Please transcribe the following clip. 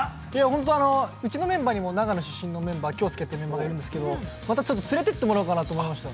◆本当、うちのメンバーにも長野出身のメンバーがいるんですけど、またちょっと、連れていってもらおうかなと思いました。